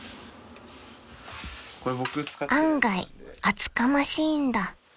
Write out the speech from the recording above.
［案外厚かましいんだ］